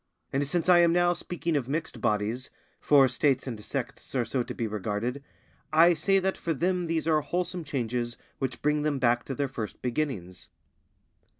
And since I am now speaking of mixed bodies, for States and Sects are so to be regarded, I say that for them these are wholesome changes which bring them back to their first beginnings.